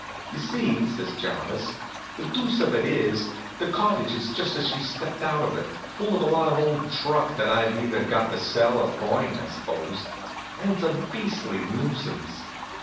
"You see," says Jarvis, "the deuce of it is the cottage is just as she stepped out of it, full of a lot of old truck that I've either got to sell or burn, I suppose. And it's a beastly nuisance."